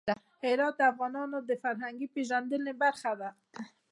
هرات د افغانانو د فرهنګي پیژندنې برخه ده.